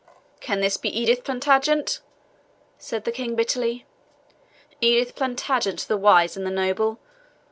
"Can this be Edith Plantagenet?" said the King bitterly "Edith Plantagenet, the wise and the noble?